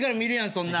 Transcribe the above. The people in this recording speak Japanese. そんなん。